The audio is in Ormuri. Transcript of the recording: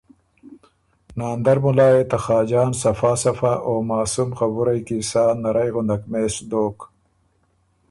ناندر مُلا يې ته خاجان صفا صفا او معصوم خبُرئ کی سا نرئ غُندک مېس دوک۔